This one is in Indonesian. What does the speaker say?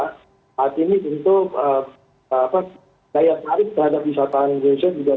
saat ini tentu daya tarif terhadap wisata indonesia juga